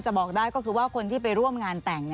บอกได้ก็คือว่าคนที่ไปร่วมงานแต่ง